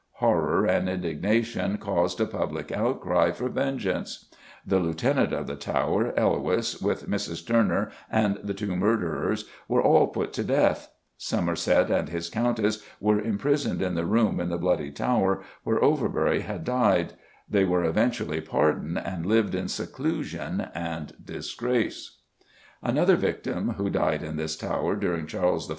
Horror and indignation caused a public outcry for vengeance: the Lieutenant of [Illustration: THE BLOODY TOWER AND JEWEL HOUSE (WAKEFIELD TOWER), LOOKING EAST] the Tower, Elwes, with Mrs. Turner and the two murderers, were all put to death. Somerset and his Countess were imprisoned in the room in the Bloody Tower, where Overbury had died; they were eventually pardoned and "lived in seclusion and disgrace." Another victim, who died in this tower during Charles I.